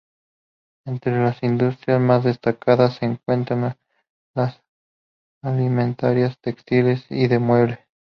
Entre las industrias más destacadas se encuentran las alimentarias, textiles y de muebles.